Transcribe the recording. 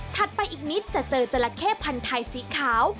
ไปอีกนิดจะเจอจราเข้พันธุ์ไทยสีขาว